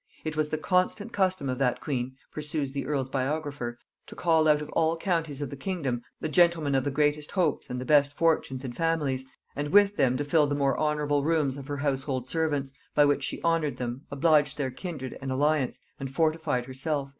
"It was the constant custom of that queen," pursues the earl's biographer, "to call out of all counties of the kingdom, the gentlemen of the greatest hopes and the best fortunes and families, and with them to fill the more honorable rooms of her household servants, by which she honored them, obliged their kindred and alliance, and fortified herself."